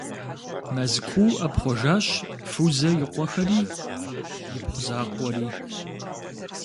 Мэзкуу ӏэпхъуэжащ Фузэ и къуэхэри, ипхъу закъуэри.